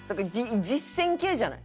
実践系じゃない？